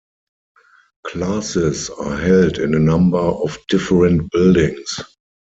Classes are held in a number of different buildings.